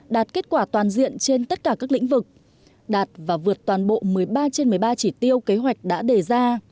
đạt kết quả toàn diện trên tất cả các lĩnh vực đạt và vượt toàn bộ một mươi ba trên một mươi ba chỉ tiêu kế hoạch đã đề ra